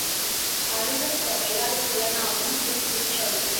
அறுவர் தொகையால் புலனாகும் குறிப்புச் சொல்.